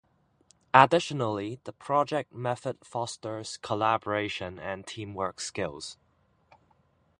Additionally, the project method fosters collaboration and teamwork skills.